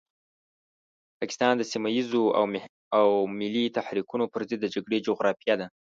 پاکستان د سيمه ييزو او ملي تحريکونو پرضد د جګړې جغرافيې ده.